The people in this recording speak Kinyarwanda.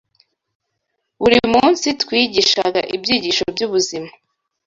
buri munsi twigishaga ibyigisho by’ubuzima